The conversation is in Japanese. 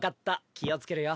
気をつけるよ。